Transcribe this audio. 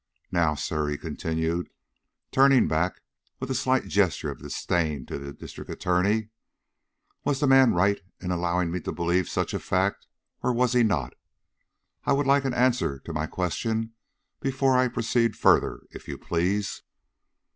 Now, sir," he continued, turning back with a slight gesture of disdain to the District Attorney, "was the man right in allowing me to believe such a fact, or was he not? I would like an answer to my question before I proceed further, if you please."